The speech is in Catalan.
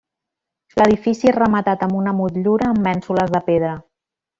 L'edifici és rematat amb una motllura amb mènsules de pedra.